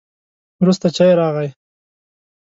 وروسته چای راغی.